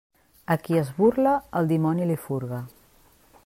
A qui es burla, el dimoni li furga.